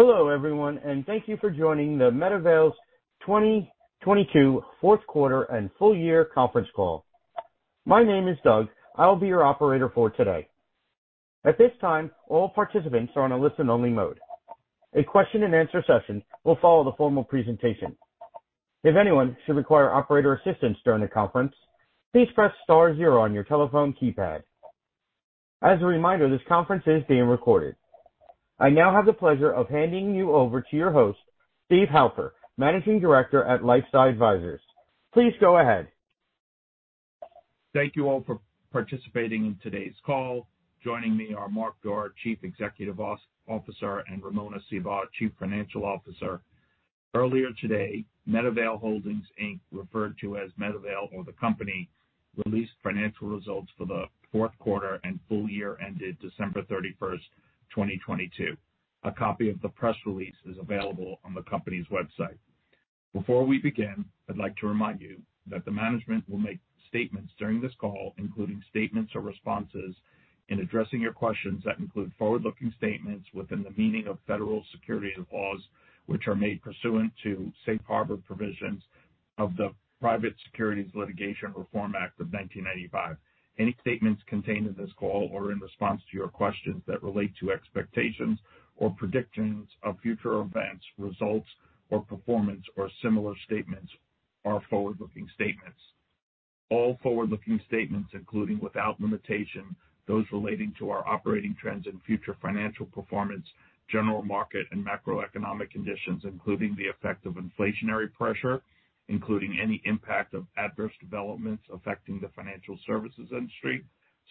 Hello, everyone, thank you for joining MedAvail's 2022 fourth quarter and full-year conference call. My name is Doug. I'll be your operator for today. At this time, all participants are on a listen-only mode. A question-and-answer session will follow the formal presentation. If anyone should require operator assistance during the conference, please press star zero on your telephone keypad. As a reminder, this conference is being recorded. I now have the pleasure of handing you over to your host, Steve Halper, Managing Director at LifeSci Advisors. Please go ahead. Thank you all for participating in today's call. Joining me are Mark Doerr, Chief Executive Officer, and Ramona Seabaugh, Chief Financial Officer. Earlier today, MedAvail Holdings, Inc., referred to as MedAvail or the company, released financial results for the fourth quarter and full-year ended December 31st, 2022. A copy of the press release is available on the company's website. Before we begin, I'd like to remind you that the management will make statements during this call, including statements or responses in addressing your questions that include forward-looking statements within the meaning of federal securities laws, which are made pursuant to safe harbor provisions of the Private Securities Litigation Reform Act of 1995. Any statements contained in this call or in response to your questions that relate to expectations or predictions of future events, results or performance or similar statements are forward-looking statements. All forward-looking statements, including without limitation, those relating to our operating trends and future financial performance, general market and macroeconomic conditions, including the effect of inflationary pressure, including any impact of adverse developments affecting the financial services industry,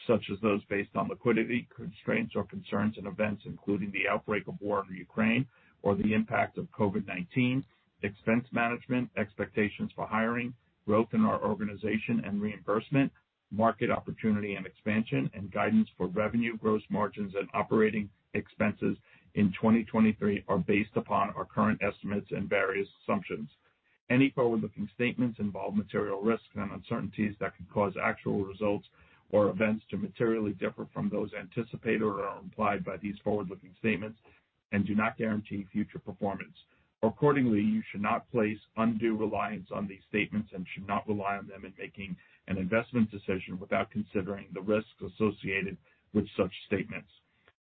such as those based on liquidity constraints or concerns and events including the outbreak of war in Ukraine or the impact of COVID-19, expense management, expectations for hiring, growth in our organization and reimbursement, market opportunity and expansion and guidance for revenue, gross margins and operating expenses in 2023 are based upon our current estimates and various assumptions. Any forward-looking statements involve material risks and uncertainties that could cause actual results or events to materially differ from those anticipated or are implied by these forward-looking statements and do not guarantee future performance. Accordingly, you should not place undue reliance on these statements and should not rely on them in making an investment decision without considering the risks associated with such statements.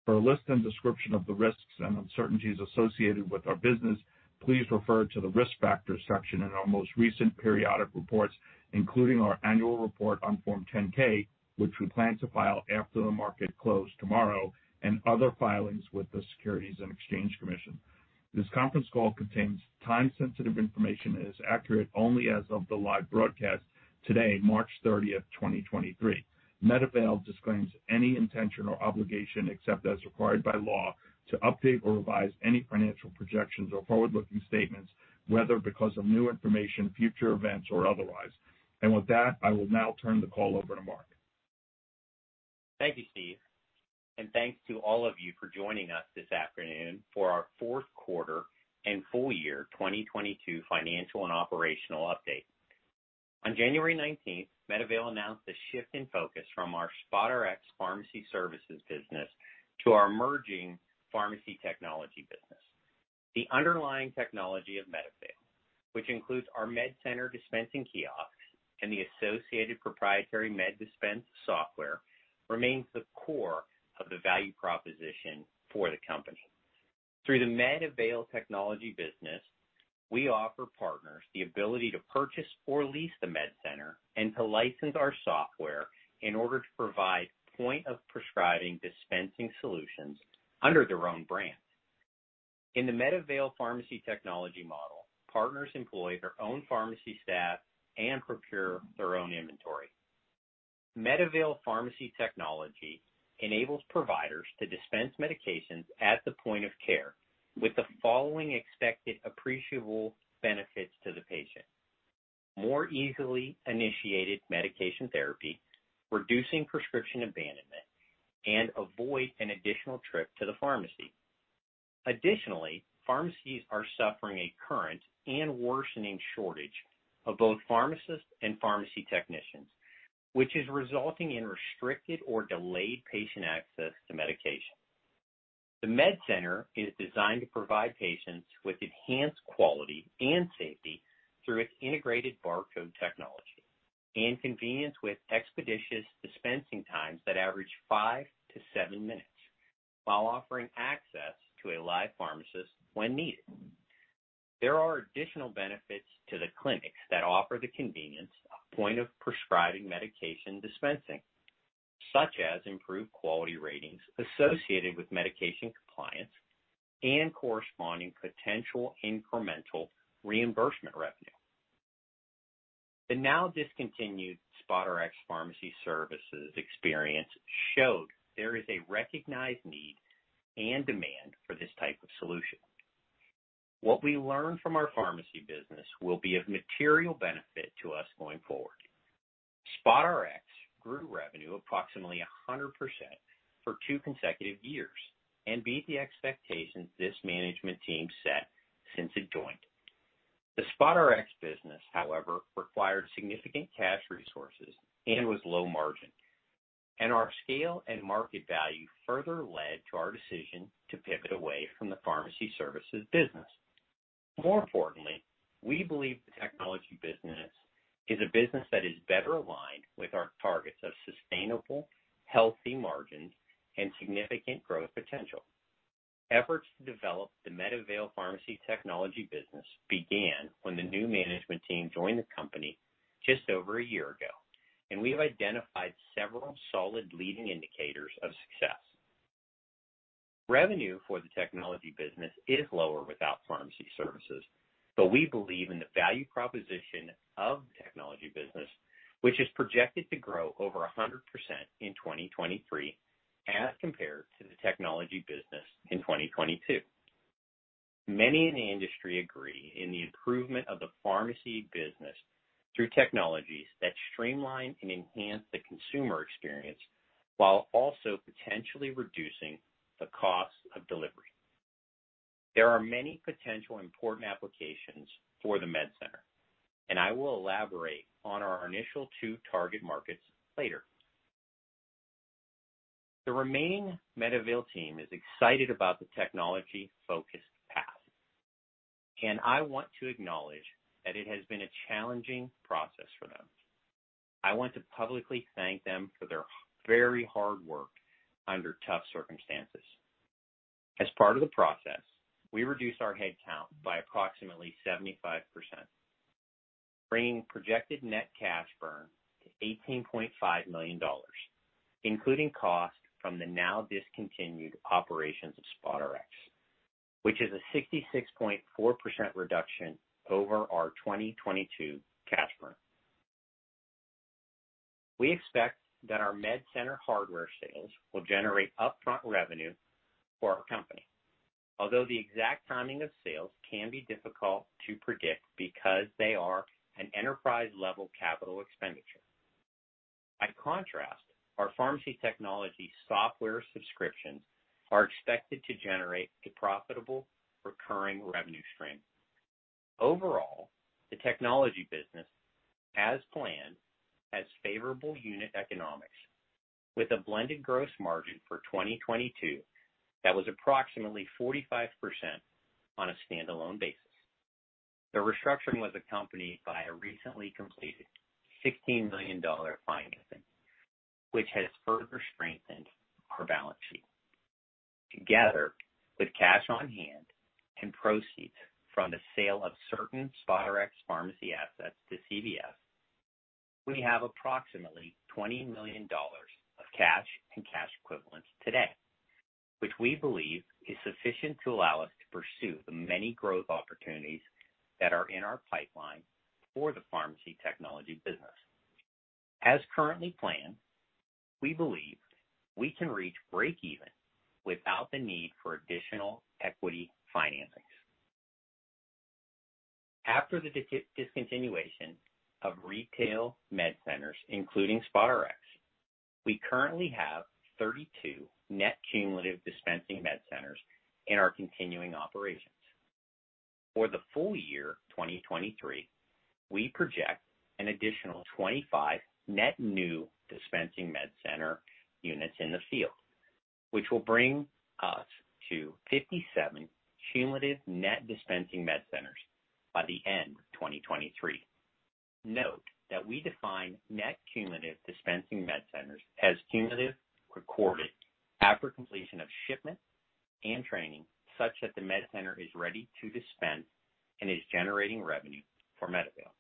For a list and description of the risks and uncertainties associated with our business, please refer to the Risk Factors section in our most recent periodic reports, including our annual report on Form 10-K, which we plan to file after the market closed tomorrow, and other filings with the Securities and Exchange Commission. This conference call contains time-sensitive information and is accurate only as of the live broadcast today, March 30th, 2023. MedAvail disclaims any intention or obligation, except as required by law, to update or revise any financial projections or forward-looking statements, whether because of new information, future events or otherwise. With that, I will now turn the call over to Mark. Thank you, Steve, and thanks to all of you for joining us this afternoon for our fourth quarter and full-year 2022 financial and operational update. On January 19th, MedAvail announced a shift in focus from our SpotRx pharmacy services business to our emerging pharmacy technology business. The underlying technology of MedAvail, which includes our MedCenter dispensing kiosks and the associated proprietary MedDispense software, remains the core of the value proposition for the company. Through the MedAvail technology business, we offer partners the ability to purchase or lease the MedCenter and to license our software in order to provide point of prescribing dispensing solutions under their own brand. In the MedAvail pharmacy technology model, partners employ their own pharmacy staff and procure their own inventory. MedAvail pharmacy technology enables providers to dispense medications at the point of care with the following expected appreciable benefits to the patient. More easily initiated medication therapy, reducing prescription abandonment, and avoid an additional trip to the pharmacy. Additionally, pharmacies are suffering a current and worsening shortage of both pharmacists and pharmacy technicians, which is resulting in restricted or delayed patient access to medication. The MedCenter is designed to provide patients with enhanced quality and safety through its integrated barcode technology and convenience with expeditious dispensing times that average five to seven minutes while offering access to a live pharmacist when needed. There are additional benefits to the clinics that offer the convenience of point of prescribing medication dispensing, such as improved quality ratings associated with medication compliance and corresponding potential incremental reimbursement revenue. The now discontinued SpotRx pharmacy services experience showed there is a recognized need and demand for this type of solution. What we learned from our pharmacy business will be of material benefit to us going forward. SpotRx grew revenue approximately 100% for two consecutive years and beat the expectations this management team set since it joined. The SpotRx business, however, required significant cash resources and was low margin. Our scale and market value further led to our decision to pivot away from the pharmacy services business. More importantly, we believe the technology business is a business that is better aligned with our targets of sustainable, healthy margins and significant growth potential. Efforts to develop the MedAvail pharmacy technology business began when the new management team joined the company just over one year ago, and we have identified several solid leading indicators of success. Revenue for the technology business is lower without pharmacy services. We believe in the value proposition of the technology business, which is projected to grow over 100% in 2023 as compared to the technology business in 2022. Many in the industry agree in the improvement of the pharmacy business through technologies that streamline and enhance the consumer experience while also potentially reducing the cost of delivery. There are many potential important applications for the MedCenter. I will elaborate on our initial two target markets later. The remaining MedAvail team is excited about the technology-focused path. I want to acknowledge that it has been a challenging process for them. I want to publicly thank them for their very hard work under tough circumstances. As part of the process, we reduced our headcount by approximately 75%, bringing projected net cash burn to $18.5 million, including costs from the now discontinued operations of SpotRx, which is a 66.4% reduction over our 2022 cash burn. We expect that our MedCenter hardware sales will generate upfront revenue for our company. Although the exact timing of sales can be difficult to predict because they are an enterprise-level capital expenditure. By contrast, our pharmacy technology software subscriptions are expected to generate a profitable recurring revenue stream. Overall, the technology business, as planned, has favorable unit economics with a blended gross margin for 2022 that was approximately 45% on a standalone basis. The restructuring was accompanied by a recently completed $16 million financing, which has further strengthened our balance sheet. Together, with cash on hand and proceeds from the sale of certain SpotRx pharmacy assets to CVS, we have approximately $20 million of cash and cash equivalents today, which we believe is sufficient to allow us to pursue the many growth opportunities that are in our pipeline for the pharmacy technology business. As currently planned, we believe we can reach breakeven without the need for additional equity financings. After the discontinuation of retail MedCenters, including SpotRx, we currently have 32 net cumulative dispensing MedCenters in our continuing operations. For the full-year 2023, we project an additional 25 net new dispensing MedCenter units in the field, which will bring us to 57 cumulative net dispensing MedCenters by the end of 2023. Note that we define net cumulative dispensing MedCenters as cumulative, recorded after completion of shipment and training such that the MedCenter is ready to dispense and is generating revenue for MedAvail,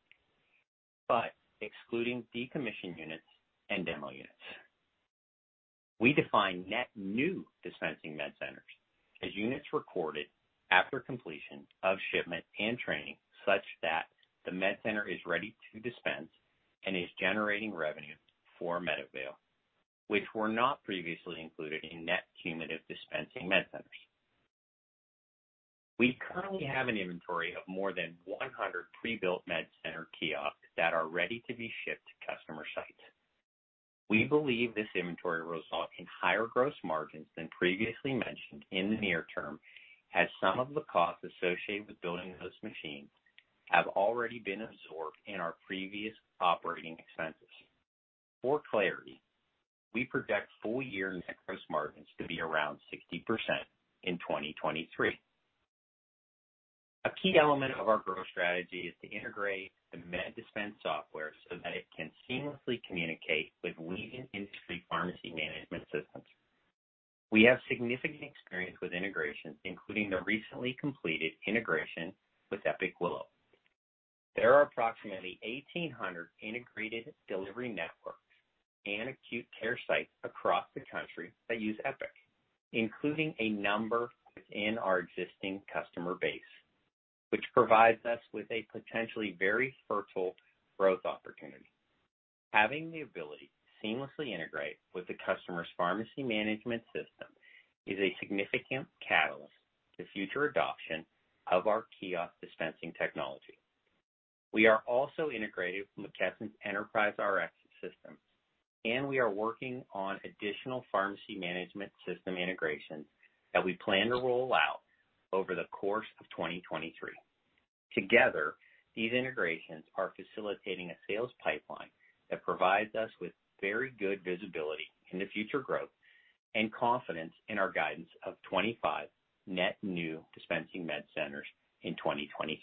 but excluding decommissioned units and demo units. We define net new dispensing MedCenters as units recorded after completion of shipment and training such that the MedCenter is ready to dispense and is generating revenue for MedAvail, which were not previously included in net cumulative dispensing MedCenters. We currently have an inventory of more than 100 pre-built MedCenter kiosks that are ready to be shipped to customer sites. We believe this inventory will result in higher gross margins than previously mentioned in the near term, as some of the costs associated with building those machines have already been absorbed in our previous operating expenses. For clarity, we project full-year net gross margins to be around 60% in 2023. A key element of our growth strategy is to integrate the MedDispense software so that it can seamlessly communicate with leading industry pharmacy management systems. We have significant experience with integrations, including the recently completed integration with Epic Willow. There are approximately 1,800 integrated delivery networks and acute care sites across the country that use Epic, including a number within our existing customer base, which provides us with a potentially very fertile growth opportunity. Having the ability to seamlessly integrate with the customer's pharmacy management system is a significant catalyst to future adoption of our kiosk dispensing technology. We are also integrated with McKesson's EnterpriseRx system, and we are working on additional pharmacy management system integrations that we plan to roll out over the course of 2023. Together, these integrations are facilitating a sales pipeline that provides us with very good visibility into future growth and confidence in our guidance of 25 net new dispensing MedCenters in 2023.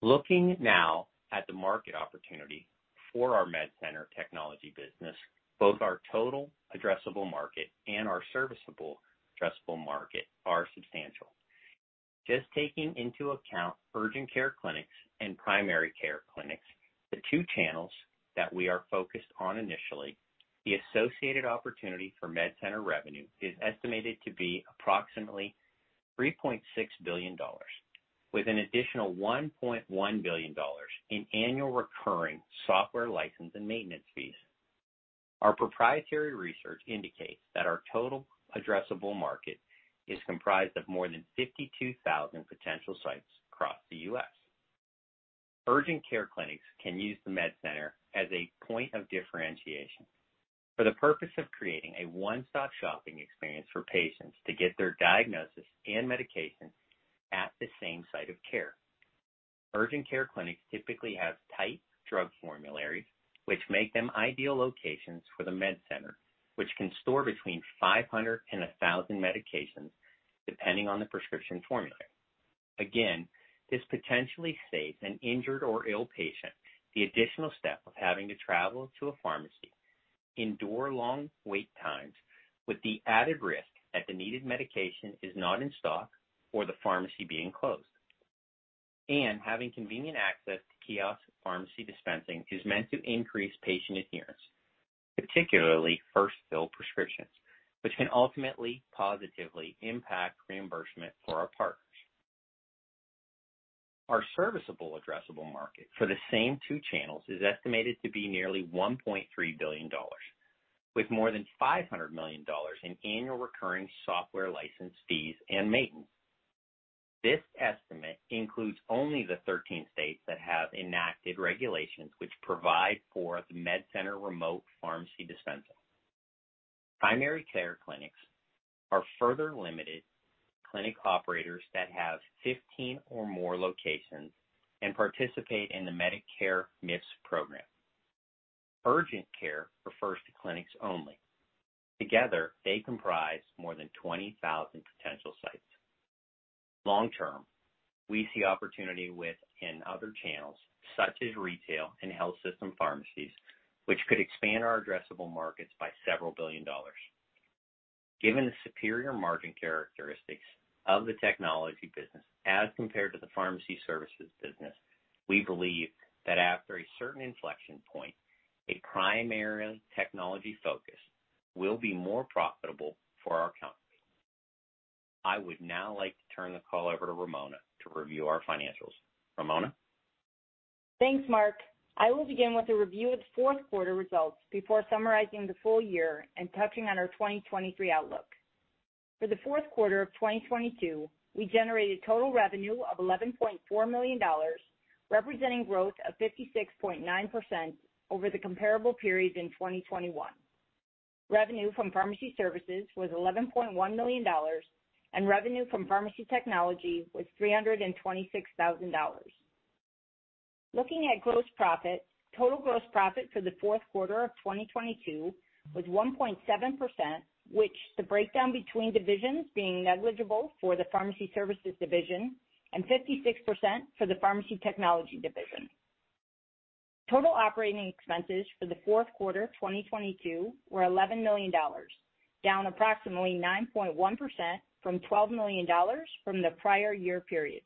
Looking now at the market opportunity for our MedCenter technology business, both our total addressable market and our serviceable addressable market are substantial. Just taking into account urgent care clinics and primary care clinics, the two channels that we are focused on initially, the associated opportunity for MedCenter revenue is estimated to be approximately $3.6 billion, with an additional $1.1 billion in annual recurring software license and maintenance fees. Our proprietary research indicates that our total addressable market is comprised of more than 52,000 potential sites across the U.S. Urgent care clinics can use the MedCenter as a point of differentiation for the purpose of creating a one-stop shopping experience for patients to get their diagnosis and medication at the same site of care. Urgent care clinics typically have tight drug formularies, which make them ideal locations for the MedCenter, which can store between 500 and 1,000 medications, depending on the prescription formulary. Again, this potentially saves an injured or ill patient the additional step of having to travel to a pharmacy, endure long wait times, with the added risk that the needed medication is not in stock or the pharmacy being closed. Having convenient access to kiosk pharmacy dispensing is meant to increase patient adherence, particularly first-fill prescriptions, which can ultimately positively impact reimbursement for our partners. Our serviceable addressable market for the same two channels is estimated to be nearly $1.3 billion, with more than $500 million in annual recurring software license fees and maintenance. This estimate includes only the 13 states that have enacted regulations which provide for the MedCenter remote pharmacy dispensing. Primary care clinics are further limited to clinic operators that have 15 or more locations and participate in the Medicare MIPS program. Urgent care refers to clinics only. Together, they comprise more than 20,000 potential sites. Long term, we see opportunity with and other channels such as retail and health system pharmacies, which could expand our addressable markets by several billion dollars. Given the superior margin characteristics of the technology business as compared to the pharmacy services business, we believe that after a certain inflection point, a primary technology focus will be more profitable for our company. I would now like to turn the call over to Ramona to review our financials. Ramona? Thanks, Mark. I will begin with a review of fourth quarter results before summarizing the full-year and touching on our 2023 outlook. For the fourth quarter of 2022, we generated total revenue of $11.4 million, representing growth of 56.9% over the comparable period in 2021. Revenue from pharmacy services was $11.1 million, and revenue from pharmacy technology was $326,000. Looking at gross profit, total gross profit for the fourth quarter of 2022 was 1.7%, which the breakdown between divisions being negligible for the pharmacy services division and 56% for the pharmacy technology division. Total operating expenses for the fourth quarter 2022 were $11 million, down approximately 9.1% from $12 million from the prior-year period.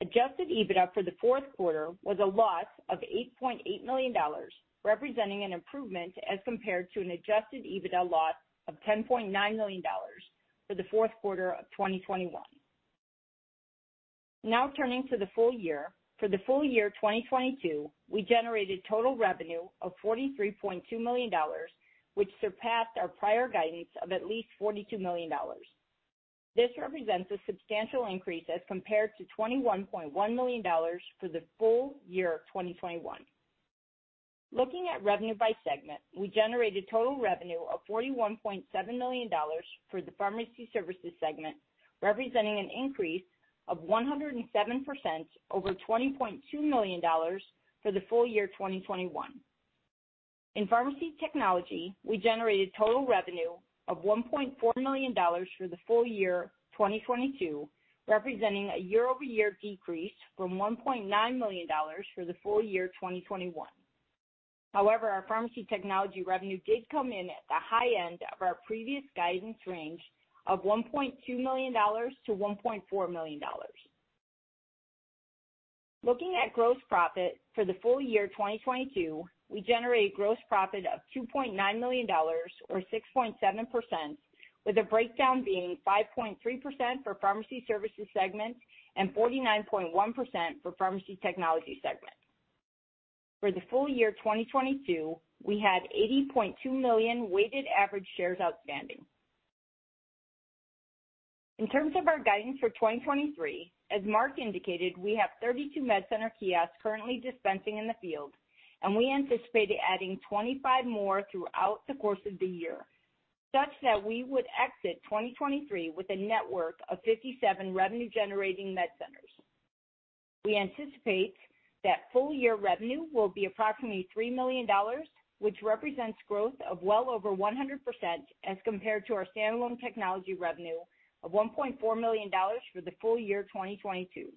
Adjusted EBITDA for the fourth quarter was a loss of $8.8 million, representing an improvement as compared to an Adjusted EBITDA loss of $10.9 million for the fourth quarter of 2021. Turning to the full-year. For the full-year 2022, we generated total revenue of $43.2 million, which surpassed our prior guidance of at least $42 million. This represents a substantial increase as compared to $21.1 million for the full-year of 2021. Looking at revenue by segment, we generated total revenue of $41.7 million for the pharmacy services segment, representing an increase of 107% over $20.2 million for the full-year 2021. In pharmacy technology, we generated total revenue of $1.4 million for the full-year 2022, representing a year-over-year decrease from $1.9 million for the full-year 2021. Our pharmacy technology revenue did come in at the high end of our previous guidance range of $1.2 million-$1.4 million. Looking at gross profit for the full-year 2022, we generated gross profit of $2.9 million or 6.7%, with the breakdown being 5.3% for pharmacy services segment and 49.1% for pharmacy technology segment. For the full-year 2022, we had 80.2 million weighted average shares outstanding. In terms of our guidance for 2023, as Mark indicated, we have 32 MedCenter kiosks currently dispensing in the field, and we anticipate adding 25 more throughout the course of the year, such that we would exit 2023 with a network of 57 revenue generating MedCenters. We anticipate that full-year revenue will be approximately $3 million, which represents growth of well over 100% as compared to our standalone technology revenue of $1.4 million for the full-year 2022.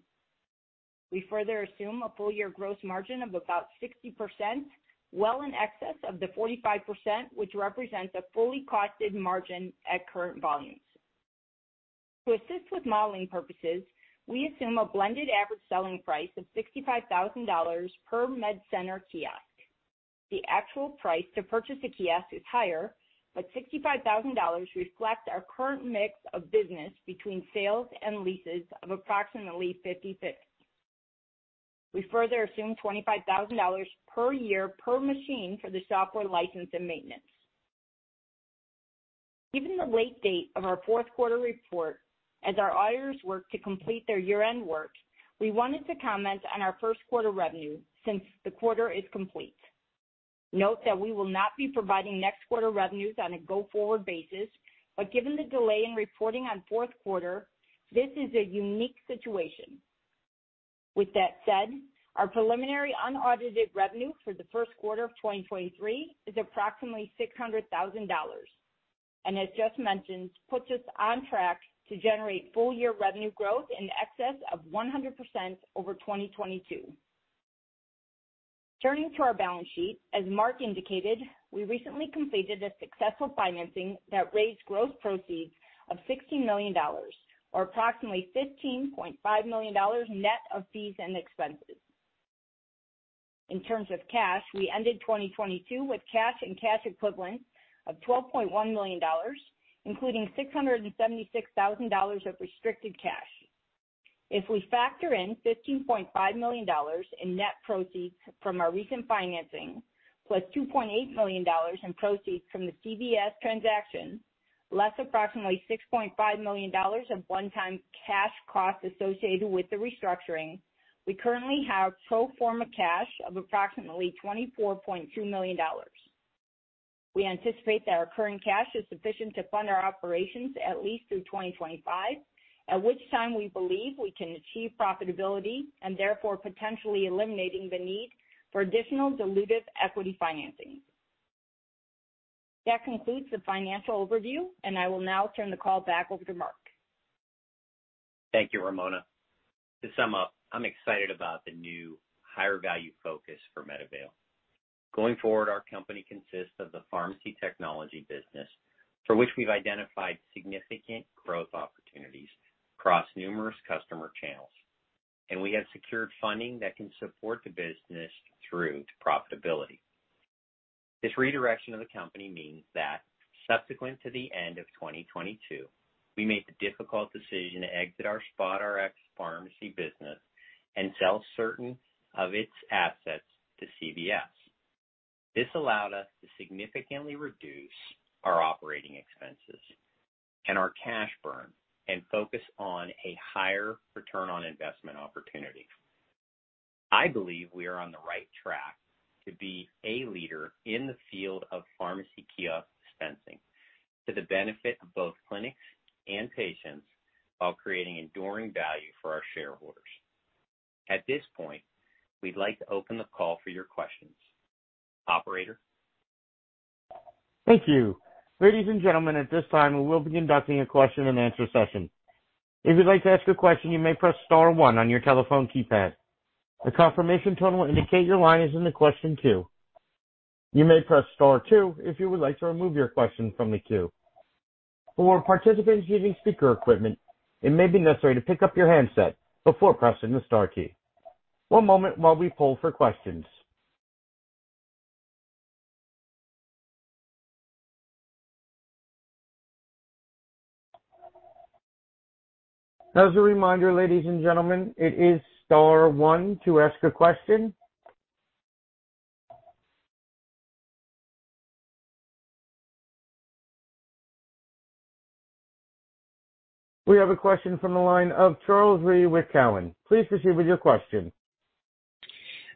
We further assume a full-year gross margin of about 60%, well in excess of the 45%, which represents a fully costed margin at current volumes. To assist with modeling purposes, we assume a blended average selling price of $65,000 per MedCenter kiosk. The actual price to purchase a kiosk is higher, but $65,000 reflects our current mix of business between sales and leases of approximately 50/50. We further assume $25,000 per year per machine for the software license and maintenance. Given the late date of our fourth quarter report, as our auditors work to complete their year-end work, we wanted to comment on our first quarter revenue since the quarter is complete. Note that we will not be providing next quarter revenues on a go-forward basis, but given the delay in reporting on fourth quarter, this is a unique situation. With that said, our preliminary unaudited revenue for the first quarter of 2023 is approximately $600,000. As Jeff mentioned, puts us on track to generate full-year revenue growth in excess of 100% over 2022. Turning to our balance sheet, as Mark indicated, we recently completed a successful financing that raised gross proceeds of $16 million, or approximately $15.5 million net of fees and expenses. In terms of cash, we ended 2022 with cash and cash equivalents of $12.1 million, including $676,000 of restricted cash. If we factor in $15.5 million in net proceeds from our recent financing, plus $2.8 million in proceeds from the CVS transaction, less approximately $6.5 million of one-time cash costs associated with the restructuring, we currently have pro forma cash of approximately $24.2 million. We anticipate that our current cash is sufficient to fund our operations at least through 2025, at which time we believe we can achieve profitability and therefore potentially eliminating the need for additional dilutive equity financing. That concludes the financial overview. I will now turn the call back over to Mark. Thank you, Ramona. To sum up, I'm excited about the new higher value focus for MedAvail. Going forward, our company consists of the pharmacy technology business, for which we've identified significant growth opportunities across numerous customer channels. We have secured funding that can support the business through to profitability. This redirection of the company means that subsequent to the end of 2022, we made the difficult decision to exit our SpotRx pharmacy business and sell certain of its assets to CVS. This allowed us to significantly reduce our operating expenses and our cash burn and focus on a higher ROI opportunity. I believe we are on the right track to be a leader in the field of pharmacy kiosk dispensing to the benefit of both clinics and patients while creating enduring value for our shareholders. At this point, we'd like to open the call for your questions. Operator? Thank you. Ladies and gentlemen, at this time, we will be conducting a question and answer session. If you'd like to ask a question, you may press star one on your telephone keypad. A confirmation tone will indicate your line is in the question queue. You may press star two if you would like to remove your question from the queue. For participants using speaker equipment, it may be necessary to pick up your handset before pressing the star key. One moment while we poll for questions. As a reminder, ladies and gentlemen, it is star one to ask a question. We have a question from the line of Charles Rhyee with Cowen. Please proceed with your question.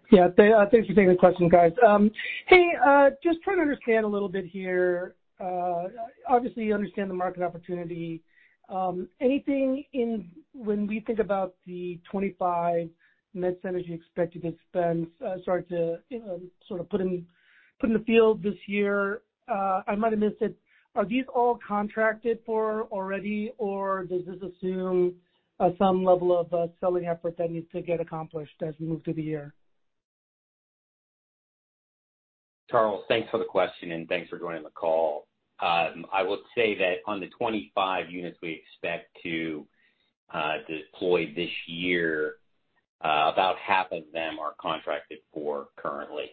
Thanks for taking the question, guys. Hey, just trying to understand a little bit here. Obviously, you understand the market opportunity. Anything when we think about the 25 MedCenters you expect to dispense, start to sort of put in the field this year, I might have missed it. Are these all contracted for already, or does this assume some level of selling effort that needs to get accomplished as we move through the year? Charles, thanks for the question, and thanks for joining the call. I will say that on the 25 units we expect to deploy this year, about half of them are contracted for currently.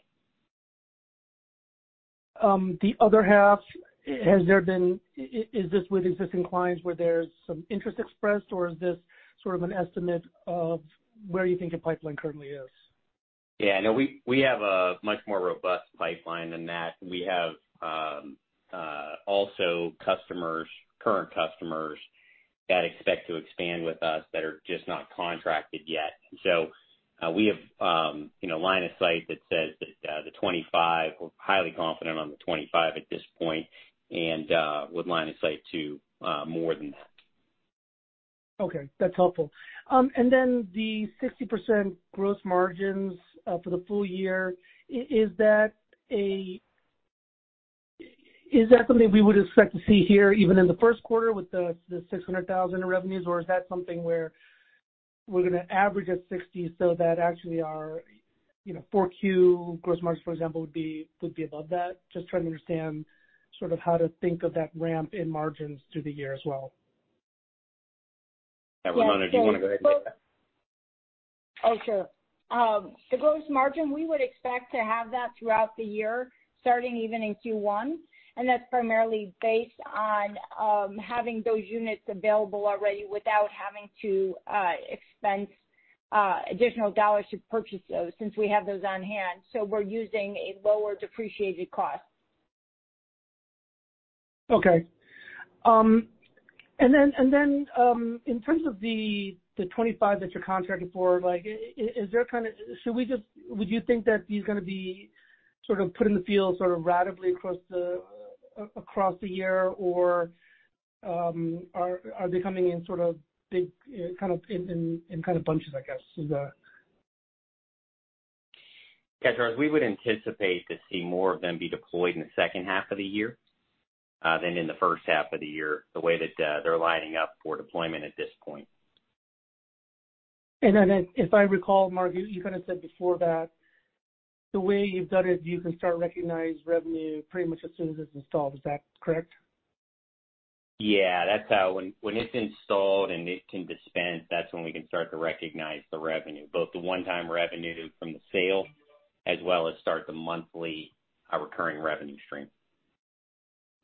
The other half, is this with existing clients where there's some interest expressed, or is this sort of an estimate of where you think your pipeline currently is? Yeah, no, we have a much more robust pipeline than that. We have, also customers, current customers that expect to expand with us that are just not contracted yet. We have, you know, line of sight that says that we're highly confident on the 25 at this point and with line of sight to more than that. Okay, that's helpful. Is that something we would expect to see here even in the first quarter with the $600,000 in revenues? Or is that something where we're gonna average at 60%, so that actually our, you know, 4Q gross margins, for example, would be above that? Just trying to understand sort of how to think of that ramp in margins through the year as well. Yeah. Ramona, do you wanna go ahead and do that? Oh, sure. The gross margin, we would expect to have that throughout the year, starting even in Q1. That's primarily based on having those units available already without having to expense additional dollars to purchase those since we have those on hand. We're using a lower depreciated cost. Okay. In terms of the 25 that you're contracted for, like is there would you think that these are gonna be sort of put in the field sort of ratably across the year? Are they coming in sort of big, kind of in kind of bunches, I guess? Yeah, Charles, we would anticipate to see more of them be deployed in the second half of the year, than in the first half of the year, the way that, they're lining up for deployment at this point. If I recall, Mark, you kind of said before that the way you've done it, you can start recognizing revenue pretty much as soon as it's installed. Is that correct? Yeah. That's how. When it's installed and it can dispense, that's when we can start to recognize the revenue, both the one-time revenue from the sale as well as start the monthly recurring revenue stream.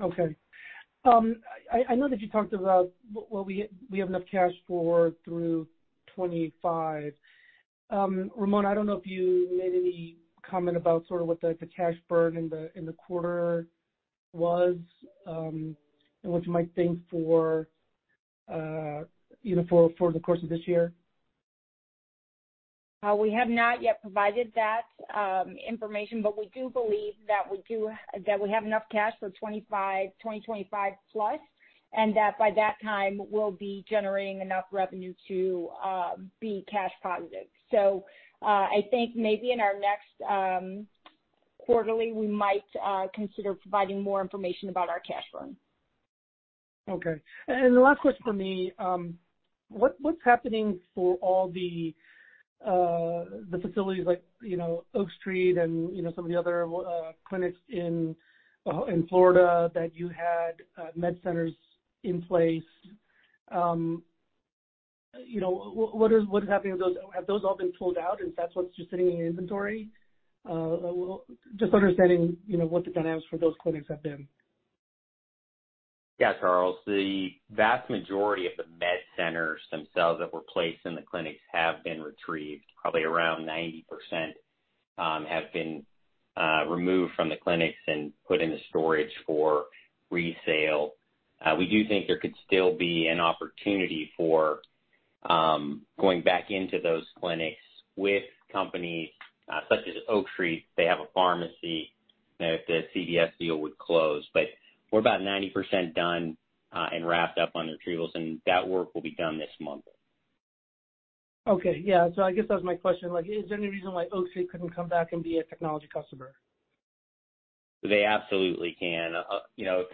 Okay. I know that you talked about well, we have enough cash flow through 2025. Ramona, I don't know if you made any comment about sort of what the cash burn in the quarter was, and what you might think for, you know, for the course of this year. We have not yet provided that information, but we do believe that we have enough cash for 2025+, and that by that time, we'll be generating enough revenue to be cash positive. I think maybe in our next quarterly, we might consider providing more information about our cash burn. Okay. The last question from me, what's happening for all the facilities like, you know, Oak Street and, you know, some of the other clinics in Florida that you had MedCenters in place? You know, what is happening with those? Have those all been pulled out and that's what's just sitting in your inventory? Well, just understanding, you know, what the dynamics for those clinics have been. Charles, the vast majority of the MedCenters themselves that were placed in the clinics have been retrieved. Probably around 90% have been removed from the clinics and put into storage for resale. We do think there could still be an opportunity for going back into those clinics with companies such as Oak Street, they have a pharmacy, you know, if the CVS deal would close. We're about 90% done and wrapped up on retrievals, and that work will be done this month. Okay. Yeah. I guess that was my question. Like, is there any reason why Oak Street couldn't come back and be a technology customer? They absolutely can. you know,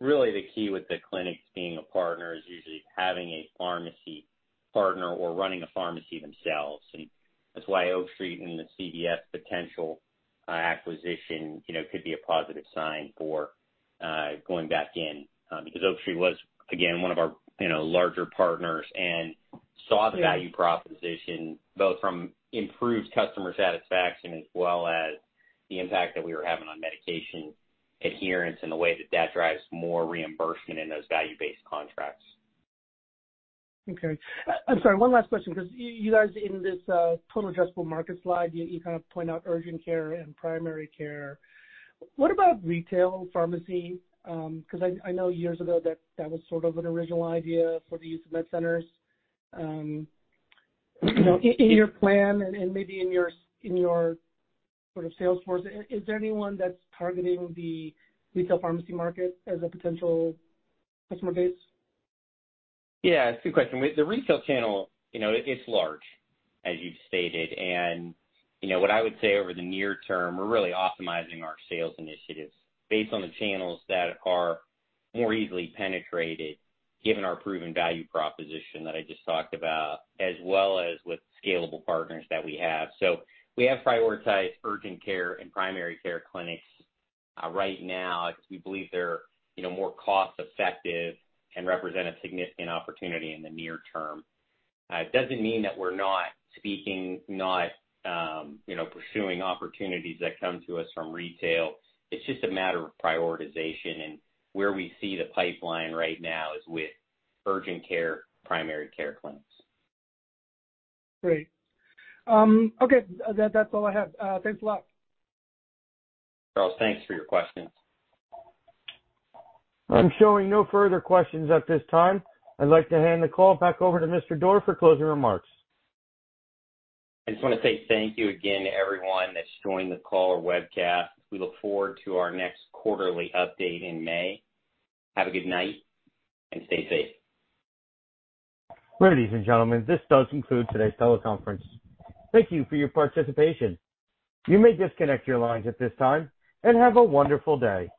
really the key with the clinics being a partner is usually having a pharmacy partner or running a pharmacy themselves. That's why Oak Street and the CVS potential acquisition, you know, could be a positive sign for going back in because Oak Street was, again, one of our, you know, larger partners and saw the value proposition both from improved customer satisfaction as well as the impact that we were having on medication adherence and the way that that drives more reimbursement in those value-based contracts. Okay. I'm sorry, one last question, 'cause you guys in this total addressable market slide, you kind of point out urgent care and primary care. What about retail pharmacy? 'Cause I know years ago that that was sort of an original idea for the use of MedCenters. You know, in your plan and maybe in your sort of sales force, is there anyone that's targeting the retail pharmacy market as a potential customer base? Yeah. It's a good question. With the retail channel, you know, it's large, as you've stated. You know, what I would say over the near term, we're really optimizing our sales initiatives based on the channels that are more easily penetrated given our proven value proposition that I just talked about, as well as with scalable partners that we have. We have prioritized urgent care and primary care clinics right now because we believe they're, you know, more cost-effective and represent a significant opportunity in the near term. It doesn't mean that we're not speaking, you know, pursuing opportunities that come to us from retail. It's just a matter of prioritization. Where we see the pipeline right now is with urgent care, primary care clinics. Great. Okay. That's all I have. Thanks a lot. Charles, thanks for your questions. I'm showing no further questions at this time. I'd like to hand the call back over to Mr. Doerr for closing remarks. I just wanna say thank you again to everyone that's joined the call or webcast. We look forward to our next quarterly update in May. Have a good night, and stay safe. Ladies and gentlemen, this does conclude today's teleconference. Thank you for your participation. You may disconnect your lines at this time, and have a wonderful day.